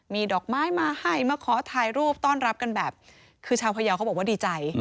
มีดอกไม้มาให้มาขอถ่ายรูปต้อนรับกันแบบคือชาวพยาวเขาบอกว่าดีใจ